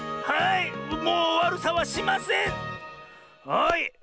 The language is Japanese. はい。